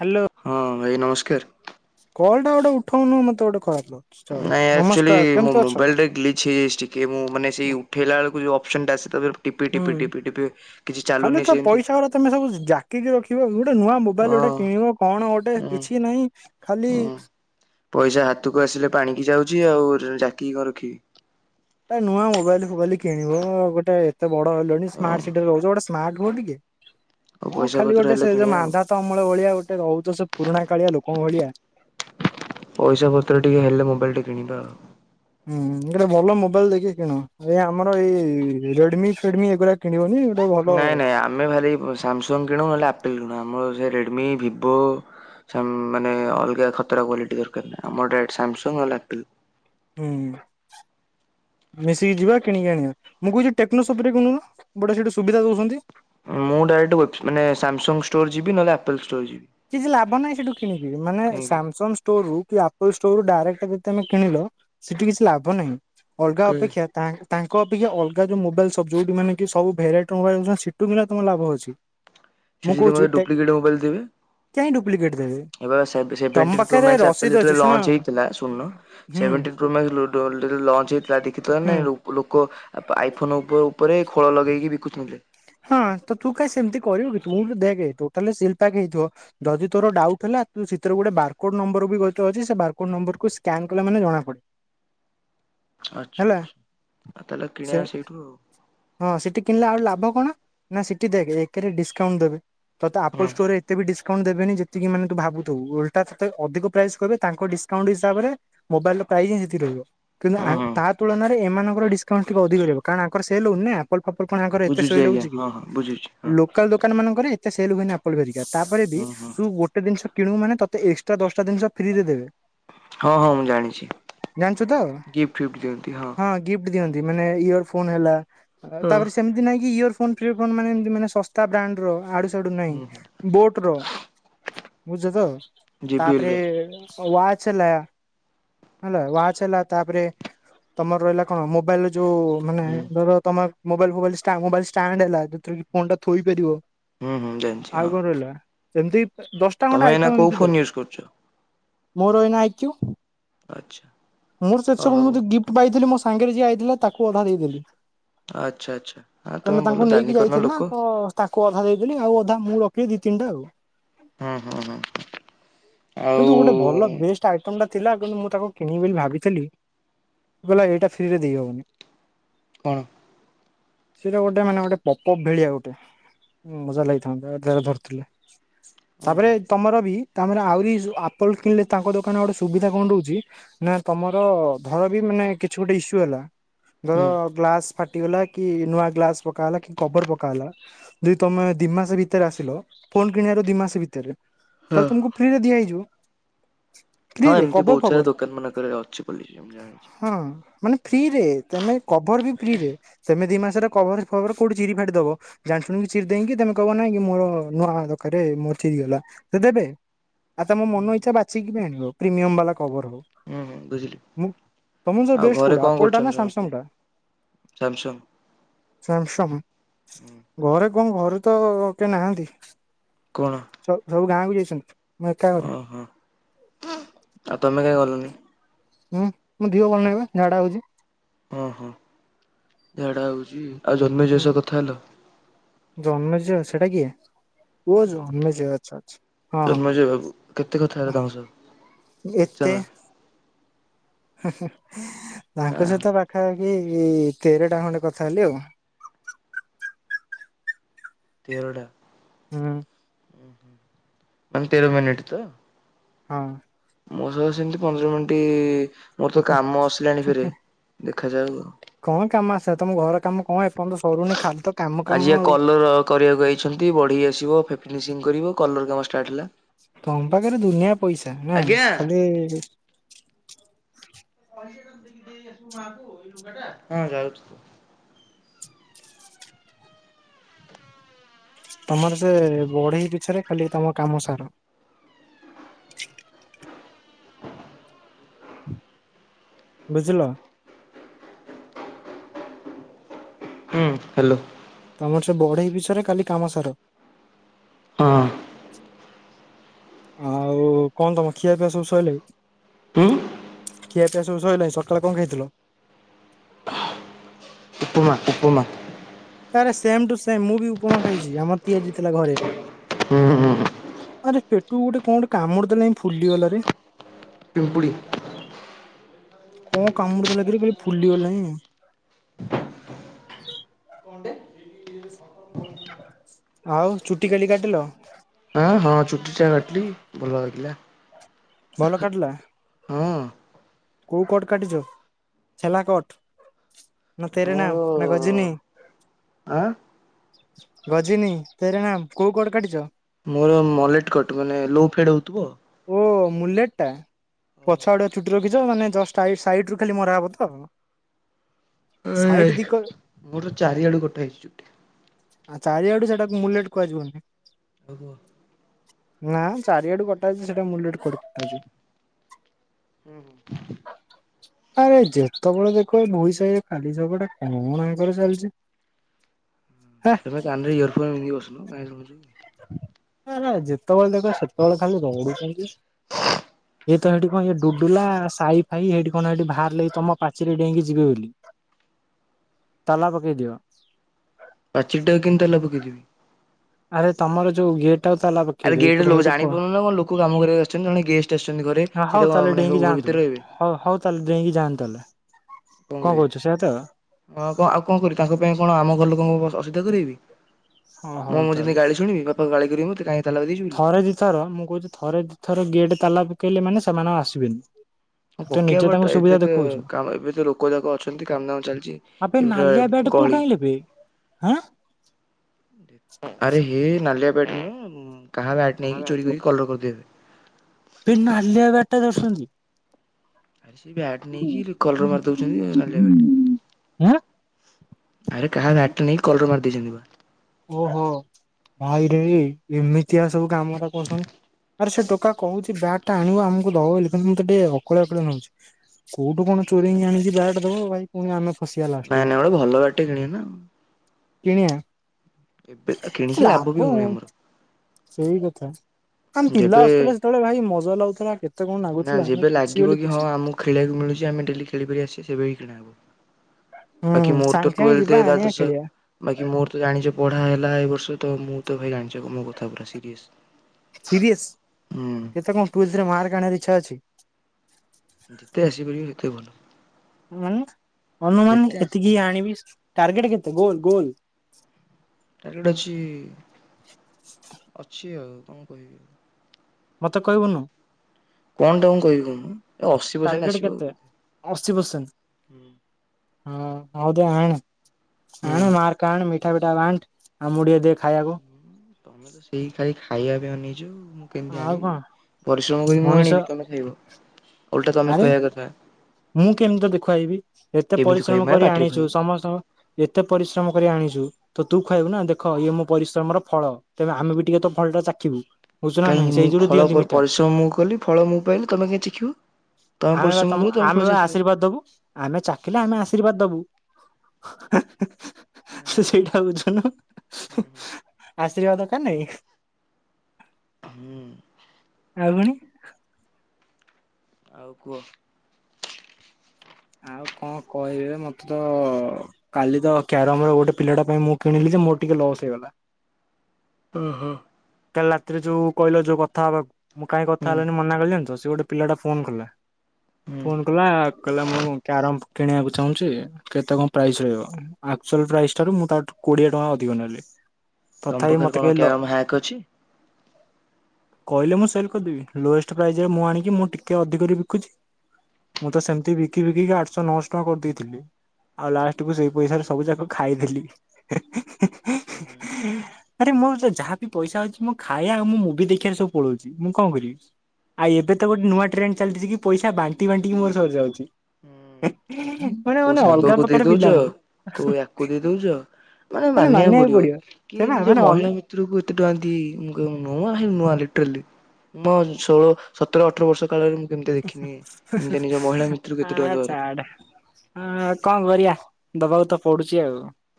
Hello ହଁ ଭାଇ ନମସ୍କାର। କଲ ଟା ଗୋଟ ଉଠଉନୁ ମତେ ଗଟେ ଖରାପ ଲ ନାଇଁ ଆକ୍ଚୁଅଲି ମୋ ମୋବାଇଲ ରେ ଗ୍ଲିଚ ହେଇଯାଇଛି ଟିକେ ମୁଁ ମାନେ ସେଇ ଉଠେଇଲା ବେଳକୁ ଯୋ [unintelligible] ହୁଁ ଖାଲି ତ ସେମିତି ପଇସା ଗୁରା ତମେ ସବୁ ଜାକିକି ରଖିବ ଗୋଟେ ନୁ ନୂଆ ମୋବାଇଲ ହଁ ଗୋଟେ କିଣିବ କଣ ଗୋଟେ ହୁଁ କିଛି ନାହିଁ ଖାଲି। ହୁଁ। ପଇସା ହାତକୁ ଆସିଲେ ପାଣିକି ଯାଉଛି ଆଉ ଜାକିକୀ କଣ ରଖିବି। ଏ ନୂଆ ମୋବାଇଲ ଫୋବାଇଲ କିଣିବ ଗୋଟାୟେ। ତ ବଡ ହେଲଣି ଓ ସ୍ମାର୍ଟ ସିଟିରେ ରହୁଚ ଗୋ ସ୍ମାର୍ଟ ହୁଅ ଟିକେ। ଆଉ କ'ଣ ପଇସା ଖାଲି ପତ୍ର ଗୋଟେ ହେଲେ ସେ ଯେ କିଣିବା ଆଉ ମାଧାତ ଅମଳ ଭଳିଆ ଗୋଟେ ରହୁଛ ସେ ପୁରୁଣା କାଳିଆ ଲୋକଙ୍କ ଭଳିଆ। ପଇସା ପତ୍ର ଟିକେ ହେଲେ ମୋବାଇଲ ଟେ କିଣିବା ଆଉ। ହୁଁ ଗୋଟେ ଭଲ ମୋବାଇଲ ଦେଇକି କିଣ ଏ ଆମର ଏ ରେଡମି ଫେଡିମି ଏଗୁଡା କିଣିବନି। ଗୋଟେ ଭଲ ନାଇଁ ନାଇଁ ଆମେ ଭାରି ସାମସଙ୍ଗ କିଣୁ ନହେଲେ ଆପଲ କିଣୁ ଆମ ସେ ରେଡମି ଭିବୋ ସେ ମାନେ ଅଲଗା ଖତରା କ୍ୱାଲିଟି ଦରକାର ନାହିଁ ଆମର ଡାଇରେକ୍ଟ ସାମସଙ୍ଗ ନହେଲେ ଆପଲ। ହୁଁ ମିଶିକି ଯିବା କିଣିକି ଆଣିବା ମୁଁ କହୁଛି ଟେକ୍ନୋସପରେ କିଣୁନ ଗୋଟେ ସେଟି ସୁବିଧା ଦଉଛନ୍ତି ମୁଁ ଡାଇରେକ୍ଟ ମାନେ ସାମସଙ୍ଗ ଷ୍ଟୋର ଯିବି ନହେଲେ ଆପଲ ଷ୍ଟୋର ଯିବି କିଛି ଲାଭ ନାହିଁ ସେଠୁ କିଣିକି ମାନେ କାହିଁକି ସାମସଙ୍ଗ ଷ୍ଟୋର ରୁ କି ଆପଲ ଷ୍ଟୋର ରୁ ଡାଇକ୍ଟ । ଯେତେି ଆମେ କିଣିଲ ସେଠି କିଛି ଲାଭ ନାହିଁ । ଓଲଗା ଉପେକ୍ଷା ତା ତାଙ୍କ ଅପକ୍ଷା ଅଲଗା ଯେଉଁ ମୋବାଇଲ୍ ସପ୍ ଯେଉଠି ମାନେ କି ସବୁ ଭେରାଇଟି ମୋବାଇଲ ସେଠୁ ବି ତମ ଲାଭ ଅଛି ମୁଁ ସେଠି କହୁଛି ମତେ ଟେକ୍ ଡୁପ୍ଲିକେଟ ମୋବାଇଲ ଦେବେ କାହିଁ ଡୁପ୍ଲିକେଟ ଦେବେ ଏଳେ ହେଇଥିଲା ଶ ତମ ହେଥିଲା ଦେଖିାଇ ପାଖରେ ରସିଦ [unintelligible] ଅଛି ଶୁଣ ଜ ହୁଁ ହୁଁ। ଆଉ ଆଇଫୋନ ଉପ ଉପରେ ଖୋଳ ଲଗେଇକି ବିକୁଥିଲେ ହଁ ତୁ କଁ ସେମିତି କରିବୁ କି ତୁ ଦେଖ ଟୋଟାଲିପାକ୍ ହେଇଥିବ ଯଦି ତୋର ଡାଉଟ୍ ହେଲା ତୁ ସେରେ ଗୋଟେ ବାରକୋଡ ନମ୍ବର ବି ଗ ଅଛି ବକୋଡ ନମ୍ବର ସ୍କାନ କଲେ ମାନେ ଜଣାଡେ ଆଚ୍ଛା ଆଚ୍ଛା ଆଉ ତାହେଲେ ସେ କିଣିବା ସେଇଠୁ ଆଉ ହଁ ସେଠି କିଣିଲେ ଆଉ ଲାଭ କଣ ନା ସେଠି ଦେଖ ଏକରେ ଡିସକାଉଣ୍ଟ ଦେବେ ତତେ ଆପଲ ହୁଁ ଷ୍ଟୋର ଏତେ ବି କଣ ଦେବେନି ଯେତିକି ମାନେ ତୁ ଭାବୁଥିବୁ ଓଲଟା ତତେ ଅଧିକ ପ୍ରାଇସ କହିବେ ତାଙ୍କ ଡିସକାଉଣ୍ଟ ହିସବାରେ ମୋାଇଲ ର ପ୍ରାଇସ୍ ହି ସେତିକ ରହିବ କିୁ ହୁଁ ହୁଁ ତା ତୁଳନା ଏମାନଙ୍କର ଡିସକାଉଣ୍ଟ ଟିକେ ଅଧିକ ରହିବ କାରଣ ଲୁ ଆପଲ ଫପର କଣଙ୍କର ଏତେ ବୁଝୁଛି ଶୋଇ ଆଜ୍ଞା ଲାଗଛି କି ହଁ ହଁ ବୁଝୁଛି ହଁ। ଲୋକାଲ ଦୋକାନ ମାନଙ୍କ ଏତେ ସେ ଲୁ ଆପି ଆ ତାପରେ ବି ହୁଁ ହୁଁ ତୁ ଗୋଟେ ଜିନିଷ କିଣୁ ମାନେ ତତେ ଏକ୍ସଟ୍ରା ଦଶଟା ଜିନିଷ ଫ୍ରି ରେ ଦେବେ। ହଁ ହଁ ମୁଁ ଜାଣିଛି ଜାଣିଛୁ ତ ହଁ ଗିଫ୍ଟ ଫିଫ୍ଟ ଦିଅନ୍ତି ହଁ। ଗିଫ୍ଟ ଦିଅନ୍ତି ମାନେ ଇୟର ଫୋନ୍ ହେଲା ହଁ। ତାପରେ ସେମତିିନାଗି ଇୟର ଫୋ [unintelligible] ଛାଡୁ ନାହିଁ ହୁଁ ହୁଁ ବୋଟ ର। ବୁଝଛ ତ। ଜେବିଏଲ୍ ତାପରେ ର ୱାଚ ହେଲା ହେଲା ୱାଚ ହେଲା ତାପରେ ତମର ରହିଲା କଣ ମୋବାଇଲ ଯୋଉ ମାନେ ହୁଁ ଧର। ମୋବାଇଲବ ଫୋବାଇଲ୍ ମୋବାଇଲ ଷ୍ଟାଣ୍ଡ ହେଲା ଫୋନ୍ ଟା ଥୋଇପାରିବ। ହୁଁ ହୁଁ ଯାନ୍ଛି। ଯେମିତି। ତମେ ଏଇନା କୋଉ ଫୋନ ୟୁଜ କରୁଛ। ମୋର ଏଇନା ଆଇକ୍ୟୁ। ଆଚ୍ଛା [inaudible] ମୋର ସେ ଓ ହଉ ସବୁ ଗିଫ୍ଟ ପାଇଥିଲି ମୋ ସାଙ୍ଗରେ ଯିଏ ଆଇଥିଲା ତାକୁ ଅଧା ଦେଇଦେଲି। ଆଚ୍ଛା ଆଚ୍ଛା ହଁ କାହିଁକିନା ତମେ ତାଙ୍କୁ ଭଲ ନେଇକି ଦାନ କର୍ଣ୍ଣ ଯାଇଥିଲି ନା ଲୋକ। ତ ତାକୁ ଅଧା ଦେଇଦେଲି ଆଉ ଅଧା ମୁଁ ରଖିଦେଲି ଦି ତିନିଟା ଆଉ। ହୁଁ ହୁଁ ହୁଁ । କିନ୍ତୁ ଗୋଟେ ଭଲ ବେଷ୍ଟ ଆଇଟମ ଟା ଥିଲା କିନ୍ତୁ ମୁଁ ତାକୁ କିଣିବି ବୋଲି ଭାବିଥିଲି କହିଲ ଏଇଟା ଫ୍ରିରେ ଦେଇହବନି। କଣ? ସେଇଟା ଗୋଟେ ମାନେ ଗୋଟେ ପପ ଭଳିଆ ଗୋଟେ ମଜା ଲାଗିଥାନ୍ତା ଧରିଥିଲେ। ହୁଁ ତାପରେ ହୁଁ ତମର ବି ତମର ଆହୁରି ଉ ଆପଲ କିଣିଲେ ତାଙ୍କ ଦୋକାନ ଗୋଟେ ସୁବିଧା କଣ ରହୁଛି। ନା ତମର ଧର ବି ମାନେ କିଛି ଗୋଟେ ଇସ୍ୟୁ ହେଲା ଧର ହୁଁ ଗ୍ଲାସ ଫାଟିଗଲା କି ନୂଆ ଗ୍ଲାସ ପକା ହେଲା କି କବର ପକା ହେଲା ଯଦି ତମେ ଦି ମାସ ଭିତରେ ଆସିଲ। ଫୋନ୍ କିଣିବାର ଦି ମାସ ଭିତରେ ହଁ ତାହେଲେ ତମକୁ ଫ୍ରିରେ ଦିଆଯ--ା ହଁ ଫିରେ ଏମିତି ଦବ ବହୁତ ସାରା କଭର [inaudible] ଦୋକାନ ମାନଙ୍କରେ ଅଛି ବୋଲି ମୁଁ ଜାଣିଛି। ହଁ ମାନେ ଫିରେ କଭର ବି ଫିରେ ତମେ ଦି ମାସ କ କୋଉଠି ଚିରି ଫାଟି ଦବ ଜାଣିଛୁୁ ଚିରି ଦେଇକି ତମେ କହବି ନାଇଁ ମୋର ନୂଆ [unintelligible] ମୋର ଚିରି ଗଲା। ଦେବେ? ତମ ହୁଁ ମନଇଚଛା ବାଛିକି ବି ଆଣିବ । ପ୍ରିମିୟମ ବାଲା ଖବର ହ ହୁଁ ହୁଁ ବୁଝିଲି [inaudible] ମୁଁ ତମର କଉଟା ଆଉ ବେଷ୍ଟ ଘରେ କୋଉ ଟା କଣ ଆପଲ ଟା ନା କରୁଛନ୍ତି ସମସ୍ତେ? ସାମସଂଙ୍ଗ ଟା। ସାମସଙ୍ଗ [inaudible] ସାମଶଙ୍ଗ ଘରେ ଆପଣଙ୍କ ଘରେ ତ କେହି ନାହାନ୍ତି । କଣ ସ ସବୁ ଗାଁକୁ ଯାଇ--‌ [inaudible] ଓହୋ [inaudible] ଆଉ ତମେ କାଇ ଗଲନି? ହୁଁ ମୋ ଦିହ ଭଲ ନାଇ ବା ଝାଡା ହଉଛି। ଓ ହୋ ଝାଡା ହଉଛି । ଆଉ ଜନ୍ମ ହୁଁ [unintelligible] କଥା ହେଲ? ଜନ୍ମେଜୟ ସେଟା କିଏ? ଓହୋ ଆଛା ଆଛା ହଁ ଜନ୍ମେଜୟ ବାବୁ କେତେ କଥା ହେଲ ହଁ ତାଙ୍କ ସହ? [inaudible] କେତେ ଏତେ--। ସମୟ? [inaudible] ତାଙ୍କ ଆହା ସହିତ ପାଖାପାଖି ଏ ତେର ଟା ଖଣ୍ଡେ କଥା ହେଲି ଆଉ । ତେରଟା । ହଁ । ହ ମାନ ତେର ମିିନିଟ ତ? ହଁ । ମୋ ସହହିତ ସେମିତି ପନ୍ଦର ମିନିଟ୍, ମୋର ତ କାମ ଆସିଲାଣି ଫରେ ଦେଖାଯାଉ ଆଉ । ସେ ତମ ଘର କାମ? କଣ ଏପର୍ଯ୍ୟନ୍ତ ସରୁନି ଖାଲି ତ କାମ କାମ ଆଜି ଆଉ କଲର କରିବାକୁ ଯାଇଛନ୍ତି ବଢେଇ ଆସିବ ଫିନିଂ କରିବ କଲର କାମ ଷ୍ଟାର୍ଟ ହେଲା। ତମ ପାଖରେ ଦୁନିଆ ପଇସା ନା ଆଜ୍ଞା ଖାଲି ହଁ ଯାଉଚି। ତମର ସେ ବଢେଇ ପିଛରେ ଖାଲି ତମ କାମ ସାର ବୁଝିଲ । ହୁଁ ହ୍ୟାଲୋ । ତମର ସେ ବଢେଇ ବିଷୟରେ କାଲି କାମ ସାର । ହଁ । ଆଉ କଣ ତମ ଖିଆ ପିଇଆ ସବୁ ସଇ ଲାଇ? ହୁଁ । ଖିଆ ପିଆ ସବୁ ସରିଲଣି ସକାଳେ କ, ଣ ଖାଇ ଥିଲା? ଉପପମା ଉପପମା । ଆରେ ସେମ ଟୁ ସେମ ମୁଁ ବି ଉପମା ଖାଇଛି ଆମର ତିଆ ଜଥିଲା ଘରେ ହୁଁ ହୁଁ ଆରେ ପେଟୁ ଗୋଟେ କଣ ଗୋଟେ କାମୁଡି ଦେଲାଣି ଫୁଲି ଗଲାରେ ପିମ୍ପୁଡ଼ି । କଣ କାମୁଡି ତ ଲାଗରି କହିଲ ଫୁଲିଗଲାଣି। ଆଉ ଚୁଟି କାଲି କାଟିଲ? ଆଁ ହଁ ଚୁଟି ଟା ଭଲ ଲାଗିଲା। ଭଲ କାଟିଲା। ହଁ। କୋଉ କଟ କାଟିଛ ଛେଲା କଟ ନା ତେରେ ମୋର ନାମ ନା ଗଜୀନି ଆଁ ଗଜୀନି ତେରନାାମ କୋଉ କଟ କାଟିଛ? ମଲେଟ୍ କଟ୍ ଲୋ ଫେଡ ହଉଥିବ ଆଉ। ମୁଲେଟ ଟା ପଛ ଆଡଆ ଚୁଟିର କିଛି। ମାନେ ସାଇଟ ରୁ ଖାଲି ମରାହବ ତ ସାଇଟ ଦ। ମୋର ଚାରିଆଡୁ ଗୋଠାଏ ଚୁଟି। ଆଉ ଚାରିଆଡୁ ସେଟାକୁ ମୁଲେଟ କୁହାଯିବନି। ଆଗୁଆ [unintelligible] ନା ଚାରିଆଡୁ କଟାଛି ସେଟା ମୁଣ୍ଡ କଛି। ଆରେ ଯେତେବେଳେ ଦେଖ ଏ ଭୋଇ ସାାହିରେ ଖାଲି ଶବଟା କଣ କଣ ହେକରେ ଚାଲିଛି। ହେ ସେଥିପାଇଁ କାନରେ ଇୟରଫୋନ୍ ଦେଇକି ବାସ। ଭଲ ପାଇ ରହୁଛୁ [unintelligible] ଯେତେବେଳେ ଦେଖ ସେତେବେଳେ ଖାଲି ଗଡୁଛନ୍ତି। [inaudible] ଇଏ ତ ସେଠି କଣ ଇ ଡୁଡୁଲା ସାଇ ଫାଇ ହେଠି କଣ ସେଠି ବାହାରିଲାଗି ତମ ପାଚିରେ ଡେଇକି ଯିବେ ବୋଲି ତାଲା ପକେଇ ଦିଅ। ପାଚିରିଟାକୁ କେମିତି ତାଲା ପକେଇ ଦେବି। ଆରେ ତମର ଯୋଉ ଗେଟ। ଆରେ ଗେଟ ଲ ଜାଣି ପାରୁନ ନା କଣ ଲୋକ କାମ କରିବାକୁ ଆସିଛନ୍ତି ଜଣେ ଗେଷ୍ଟ ଆସିଛନ୍ତି ଘରେ ସେ ହଉ ତା ତାହେଲେ ମାନେ ଡେଇଁକି ଘର ଯାଆନ୍ତୁ। ଭିତରେ ରହିବେ। ହଉ ହଉ ତାହେଲେ ଡେଇଁକି ଯାଆନ୍ତୁ ତାହେଲେ କଣ କହୁଛୁ ସେଇଆ ତ କରିବା କ ଆଉ କଣ କରିବା ତାଙ୍କ ପାଇଁ କଣ ଆମ ଘର ଲୋକଙ୍କ ଚିନ୍ତା କରିବି। ହଁ ହଉ ମୁଁ ମୁଁ ଯେମିତି ତାହେଲେ। ଗାଳି ଶୁଣିବି ବାପା ଗାଳି [unintelligible] ବୋଲି। ଥରେ ଦିଇଥର ମୁଁ କହୁଛି ଥରେ ଦିଇଥର ଗେଟ୍ ତାଲା ପକେଇଲେ ମାନେ ସେମାନେ ଆଉ ଆସିବେନି। ତୁ ତ ନିଜେ ପକେଇବା ଏବେ ତାଙ୍କୁ ଟାଇଟ୍ ସୁବିଧା ଦେଖଉଛୁ ତ ଏବେ ଆ ଲୋକ ଯାକ ଅଛନ୍ତି କାମ ଦାମ ଚାଲିଛି ଆବେ ଏବେ ନାଲିଆ ତ ବ୍ୟାଟ୍ କୋଉଠୁ ଗହଳି ଆଣିଲେ ବେ ଆଁ। ଆରେ ହେ ନାଲିଆ। [unintelligible] କାହା ବ ଆଟ୍ କାହାର ନେଇକି ଚୋରି ଆଇଛି କରିକିଲର୍ କରିଦେବେ। [unintelligible] ଆ ସେ ବ୍ୟାଟ ନେଇକି ରିକଳର ମାରି ଦଉଛନ୍ତି ନାଲିଆ ବ୍ୟାଟ ଆଁ ଟେ ଆରେ କାହା ବ୍ୟାଟ ନେଇକି କଲର୍ ମାରି [unintelligible] ଓହୋ ଭାଇରେ ଏମିତି ଆସ ସବୁ ଗାମା କରଛନ୍ତି ଆ ସେ କ କହୁଛି ବ୍ୟାଗ୍ ଟା ଆଣିବ ଆମକୁ ଦବ ବୋଲି କିନ୍ତୁ ମୁଁତେ ଟିକେ ଅକଳିଆ ଅକଳିଆ ଲାଗୁଚି କୋଉଠୁ ଆ କଣ ଚୋରେଇକି ଆଣିିକି ବ୍ୟାଟ୍ ଦବ ଭାଇ ପୁଣି ଆମ ନାଇଁ ନାଇଁ ଗୋଟେ ଭଲ ବ୍ୟାଟଟେ କିଣିବା ନା। କିଣିବା। ଏବେ କିଣିକି ଲାଭ ବି ହଉନି ଆମର। ସେଇ କଥା ଆମେ ପିଲା ଯେବେ ଆସୁଥିଲେ ସେତେବେଳେ ଭାଇ ମଜା ଲାଗୁଥିଲା କେତ ନା ଯେବେ ଲାଗିବ କି ହଁ ଆମକୁ ଖେଳିବାକୁ ମିଳୁଛି ଆମେ ଡେଲି ଖେଳିପାରି ଆସେ ସେବେ ହି ଖେଳାହେବ। ହୁଁ ବାକି ମୋର ତ ସାଙ୍ଗେ ସାଙ୍ଗେ ଟୁଏଲଥ ଯିବା ଆଣିବା ଖେଳିବା ଗ୍ରାଜୁଏସନ ବାକି ମୋର୍ ତ ଜାଣିଛ ପଢା ହେଲା ଏର୍ଷ ତ ମୁଁ ତ ଭାଇ ଜାଣିଛ ମୋ କଥା ପୁରା ସିରିଏସ ସିରିଏସ୍ କେତେ କଣ ଟୁଏଲଥ ରେ ମାର୍କ ଆଣିବା ଦେଖି ଇଚ୍ଛା ଅଛି। ଯେତେ ଆସିପାରିବ ସେତେ ଭଲ। ମାନେ ଅନୁମାନ ଯେତେ ଏତିକି ଆସିପାରିବ। ଆଣିବି। ଟାର୍ଗେଟ କେତେ ଗୋଲ ଗୋଲ। ଟାର୍ଗେଟ ଅଛି ଅଛି ଆଉ। କଣ କହିବି? ମତେ କହିବୁନୁ। କଣ ଟା ମୁଁ କହିବି କହୁନୁ ଏ ଅଶୀ ପରସେଣ୍ଟ ଆସିବ ଆଉ କେତେ ଅଶୀ ପରସେଣ୍ଟ । ହଁ ହଉ ଦେ ଆଣେ । ହୁଁ। ଆଣେ ମାର୍କ ଆଣେ ମି ମିଠା ପିଠା ବାଣ୍ଟ ଆମକୁ ଟିକେ ଦେ । ସେଇ ଖାଲି ଖାଇବା । ପାଇଁ ଅନେଇଚୁ । ମୁଁ କେମିତି ଆଉ ଆଣିବି କଣ ପରିଶ୍ରମ କରି ମୁଁ ମଣିଷ ଆଣିବି ତମେ ଖାଇବ ଓଲଟା ତମେ ଆରେ ଖୁଆଇବା କଥା । ମୁଁ କେମିତି ତତେ ଖୁଆଇବି ଏତେ ଖୁଆଇବି ପରିଶ୍ରମ ମାନେ କରି ପାଟିରେ ଆଣିଛୁ ଖୁଆଇବି। ସମସ୍ତଙ୍କ ଏତେ ପରିଶ୍ରମ କରି ଆଣିଛୁ । ତୁ ତ ତୁ ଖୁଆଇବୁ ନା ଦେଖ ଇଏ ମୋ ପରିଶ୍ରମର ଫଳ ତେବେ ଆମେ ବି ଟିକେ ତୋ ଫଳ ଟା ଚାଖିବୁ । କାହିଁକି ମୁଁ ଫଳ ପ ପରିଶ୍ରମ ମୁଁ କଲି ଫଳ ମୁଁ ପାଇଲି ତମେ କାହିଁ ଚାଖିବ ତମେ ଆମେ ବା ପରିଶ୍ରମ ତମ କର ତମେ । ଆମେ ବା ଆଶୀର୍ବାଦ ଦବୁ ଆମେ ଚାଖିଲେ ଆମେ ଆଶୀର୍ବାଦ ଦବୁ । [unintelligible] ସେଇଟା ବୁଝୁନୁ । ଆଶୀର୍ବାଦ ଟା ନେ । ହୁଁ । ଆଉ ପୁଣୀ । ଆଉ କୁହ । ଆଉ କଣ କହିବି ଏ ମତେ ତ କାଲି ତ କ୍ୟାରମରୁ ଗୋଟେ ପିଲାଟା ପାଇଁ ମୁଁ କିଣିଲି ଯେ ମୋର ଟିକେ ଲସ୍ ହେଇଗଲା । ଓ ହୋ । କାଲି ରାତିରେ ଯୋଉ କହିଲ ଯୋଉ କଥା ହବାକୁ । ମୁଁ କାହିଁ କଥା ହୁଁ ହେଲନ ମନା କଲି ଜାଣିଛ । ସେ ଗୋଟେ ପିଲାଟା ଫୋନ କଲା । ହୁଁ ଫୋନ୍ କଲା କହିଲା ମୁ କ୍ୟାରମ୍ କିଣିବାକୁ ଚାହୁଁଛି କେତେ କଣ ପ୍ରାଇସ୍ ରହିବ ଆକ୍ଚୁଲ ପ୍ରାଇସ୍ ଟାରୁ ମୁଁ ତାଠ କୋଡ଼ିଏ ଟଙ୍କା ଅଧିକ ନେଲି । ତମ ପାଖରେ କଣ କ୍ୟାରମ ହ୍ୟାକ୍ ଅଛି? କହିଲେ ମୁଁ ସେଲ କରିଦେବି ଲୋଏଷ୍ଟ ପ୍ରାଇସ୍ ରେ ମୁଁ ଆଣିକି ମୁଁ ଟିକେ ଅଧିକ ରେ ବିକୁଛି ମୁଁ ତ ସେମିତି ବିକି ବିକି କା ଆଠଶହ ନଅଶହ ଟଙ୍କା କରିଦେଇଥିଲି ଆଉ ଲାଷ୍ଟକୁୁ ସେଇ ପଇସାରେ ସବୁ ଯାକ ଖାଇଦେଲି ହୁଁ ଆରେ ମୁଁ ଯାହା । ପଇସା ଅଉଛି ମୁଁ ଖାଇବା ଆଉ ମୁଁ ମୁଭି ଦେଖିବାରେ ସବୁ ପଳଉଛି ମୁଁ କଣ କରିବି ଆଉ ଏବେ ତ ଗୋଟେ ନୂଆ ଟ୍ରେଣ୍ଡ ଚାଲିଛି କି ପଇସା ବାଣ୍ଟି ବାଣ୍ଟି କି ମୋର ସରିଯାଉଛି ହୁଁ। । କୋଉ ସାଙ୍ଗକୁ ଦେଇ ଦଉଛ କୋଉ ୟାକୁ ଦେଇ ଦଉଛ ମାନେ ମାନିବାକୁ ପଡ଼ିବ ପଡିବ। କି ସେ ବା ନିଜ ମାନେ ଅ ମହିଳା ମିତ୍ରକୁ । ଏତେ ଟଙ୍କା ଦିଏ କି ମୁଁ କହିବ ହେ ନୂଆ ଲିଟ୍ରାଲି ମୋ ଷୋହଳ ସତର ଅଠର ବର୍ଷ କାଳରେ କେମିତି ଦେଖିନି। ଏମିତି ନିଜ ମହିଳା ମିତ୍ରକୁ ଏତେ ଟଙ୍କା ହଁ ଦବାର। ଛାଡ଼। ହଁ କଣ କରିବା ଦବାକୁ ତ ପଡୁଛି ।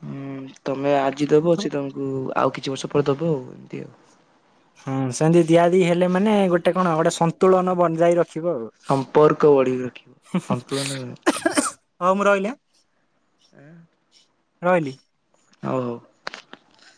ହୁଁ ତମେ ଆଜି ଦବ ସେ ତମକୁ ଆଉ କିଛି ବର୍ଷ ପରେ ଦବ ଆଉ । ଦିଅ । ହଁ ସେମିତି ଦିଆଦି ହେଲେ ମାନେ ଗୋଟେ କଣ ଗୋଟେ ସନ୍ତୁଳନ ବନିଯାଇ। ସମ୍ପର୍କ ବଢ଼ିବ ସନ୍ତୁଳନ ନୁହେଁ । ହଉ ମୁଁ ରହିଲି ହାଁ। ଏଁ। ରହିଲି । ହଉ ହଉ ।